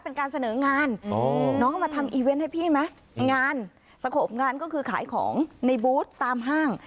เป็นการเสนองานน้องมาทำอีเวนต์ให้พี่ไหมงานสงบงานก็คือขายของในบูธตามห้าง